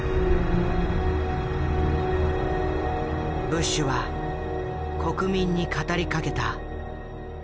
ブッシュは国民に語りかけた。